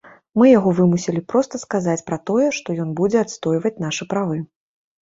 Мы яго вымусілі проста сказаць пра тое, што ён будзе адстойваць нашы правы.